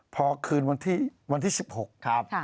พอคืนวันที่๑๖ครับ